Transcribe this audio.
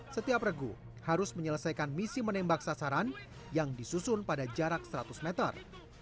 setiap regu harus menyelesaikan misi menembak sasaran yang disusun pada jarak seratus meter